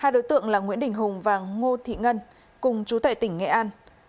hai đối tượng là nguyễn đình hùng và ngô thị ngân cùng chú tệ tỉnh nghệ an